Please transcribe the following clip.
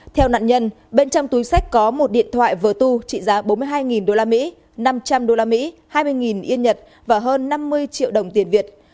theo nạn nhân bên trong túi sách có một điện thoại vờ tu trị giá bốn mươi hai usd năm trăm linh usd hai mươi yên nhật và hơn năm mươi triệu đồng tiền việt